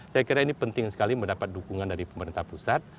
saya kira ini penting sekali mendapat dukungan dari pemerintah pusat